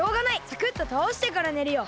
サクッとたおしてからねるよ。